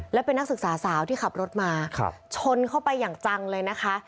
และเป็นนักศึกษาสาวที่ขับรถมาชนเข้าไปอย่างจังเลยนะคะ